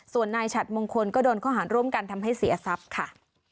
ส่วนนายฉัดมงคลก็โดนข้อหารร่วมกันทำให้เสียทรัพย์ค่ะ